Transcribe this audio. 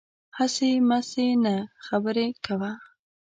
هسې مسې نه، خبره کوه